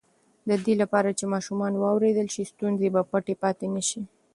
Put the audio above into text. د دې لپاره چې ماشومان واورېدل شي، ستونزې به پټې پاتې نه شي.